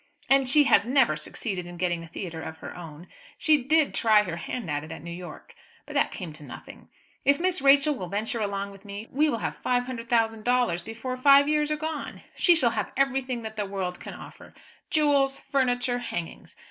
And she has never succeeded in getting a theatre of her own. She did try her hand at it at New York, but that came to nothing. If Miss Rachel will venture along with me, we will have 500,000 dollars before five years are gone. She shall have everything that the world can offer jewels, furniture, hangings!